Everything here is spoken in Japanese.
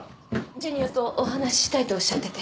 ジュニアとお話ししたいとおっしゃってて。